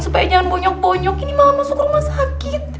supaya jangan bonyok bonyok ini malah masuk rumah sakit